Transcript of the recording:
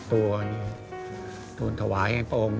โปรดติดตามต่อไป